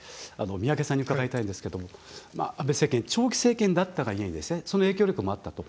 宮家さんに伺いたいんですけれども安倍政権長期政権だったがゆえにその影響力もあったと。